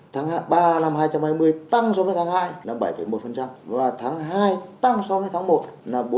tháng ba năm hai nghìn hai mươi tăng so với tháng hai là bảy một và tháng hai tăng so với tháng một là bốn